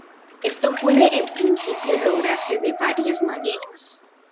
Esto puede en principio, lograrse de varias maneras.